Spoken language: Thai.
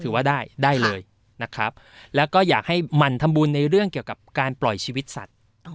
ถือว่าได้ได้เลยนะครับแล้วก็อยากให้หมั่นทำบุญในเรื่องเกี่ยวกับการปล่อยชีวิตสัตว์